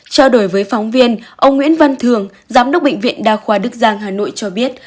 trao đổi với phóng viên ông nguyễn văn thường giám đốc bệnh viện đa khoa đức giang hà nội cho biết